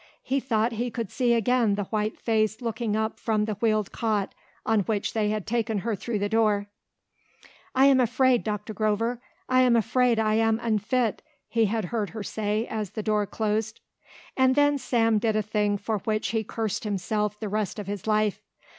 He thought he could see again the white face looking up from the wheeled cot on which they had taken her through the door. "I am afraid, Dr. Grover I am afraid I am unfit," he had heard her say as the door closed. And then Sam did a thing for which he cursed himself the rest of his life.